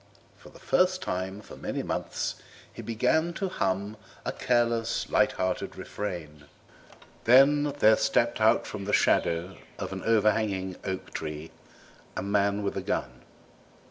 For the first time for many months he began to hum a careless lighthearted refrain. Then there stepped out from the shadow of an overhanging oak tree a man with a gun.